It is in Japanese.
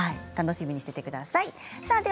楽しみにしていてください。